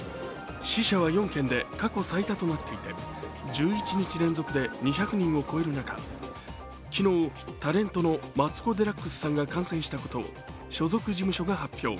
死者は４県で過去最多となっていて１１日連続で２００人を超える中、昨日、タレントのマツコ・デラックスさんが感染したことを所属事務所が発表。